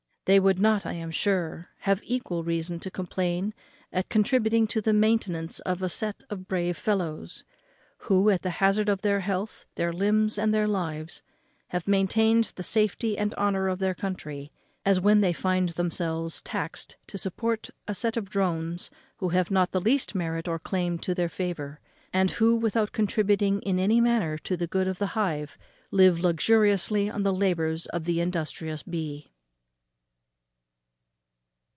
They would not, I am sure, have equal reason to complain at contributing to the maintenance of a sett of brave fellows, who, at the hazard of their health, their limbs, and their lives, have maintained the safety and honour of their country, as when they find themselves taxed to the support of a sett of drones, who have not the least merit or claim to their favour, and who, without contributing in any manner to the good of the hive, live luxuriously on the labours of the industrious bee.